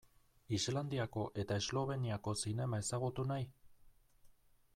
Islandiako eta Esloveniako zinema ezagutu nahi?